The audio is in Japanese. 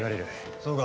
そうか。